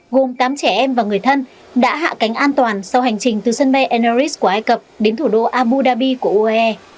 gồm tám trẻ em và người thân đã hạ cánh an toàn sau hành trình từ sân bay eneris của ai cập đến thủ đô abu dhabi của uae